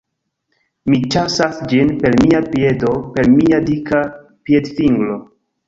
Mi ĉasas ĝin per mia piedo per mia dika piedfingro...